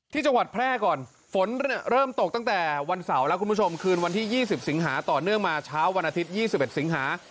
ที่จังหวัดแพร่ก่อนฝนเริ่มตกตั้งแต่วันเสาร์แล้วคุณผู้ชมคืนวันที่๒๐สิงหาต่อเนื่องมาเช้าวันอาทิตย์๒๑สิงหา